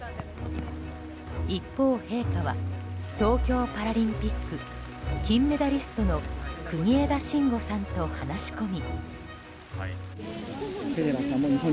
一方、陛下は東京パラリンピック金メダリストの国枝慎吾さんと話し込み。